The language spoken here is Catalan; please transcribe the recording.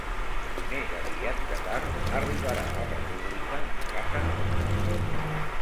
Més aviat que tard arribarà la República a casa nostra.